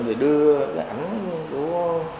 thì đưa ảnh của